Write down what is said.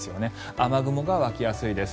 雨雲が湧きやすいです。